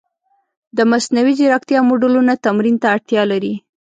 د مصنوعي ځیرکتیا موډلونه تمرین ته اړتیا لري.